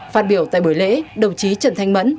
phát biểu tại buổi lễ đồng chí trần thanh mẫn